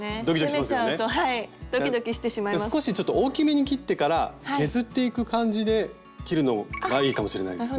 少しちょっと大きめに切ってから削っていく感じで切るのがいいかもしれないですね。